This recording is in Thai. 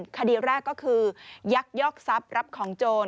คดีแรกก็คือยักยอกทรัพย์รับของโจร